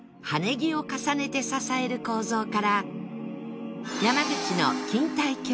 木を重ねて支える構造から山口の錦帯橋